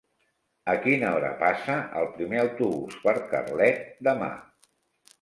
A quina hora passa el primer autobús per Carlet demà?